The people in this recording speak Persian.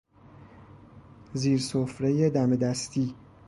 زیر سفره دم دستی